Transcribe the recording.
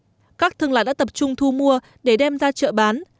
trong những ngày vừa cập bến các thương lạc đã tập trung thu mua để đem ra chợ bán